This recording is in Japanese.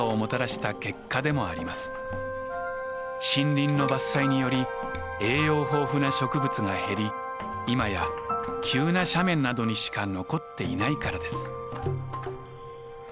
森林の伐採により栄養豊富な植物が減り今や急な斜面などにしか残っていないからです。